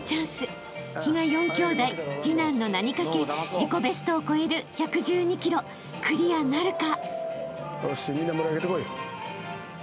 ［比嘉４きょうだい次男の名に懸け自己ベストを超える１１２ｋｇクリアなるか？］